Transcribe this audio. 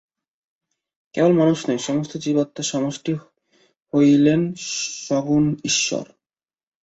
কেবল মানুষ নয়, সমস্ত জীবাত্মার সমষ্টিই হইলেন সগুণ ঈশ্বর।